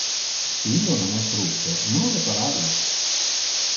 Si illo non es rupte, non reparar lo.